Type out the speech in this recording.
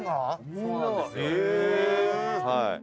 そうなんですよはい。